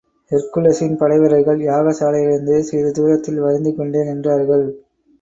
ஹெர்க்குலிஸின் படைவீரர்கள் யாகசாலையிலிருந்து சிறிது தூரத்தில் வருந்திக்கொண்டே நின்றார்கள்.